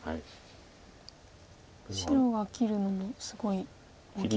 白が切るのもすごい大きい。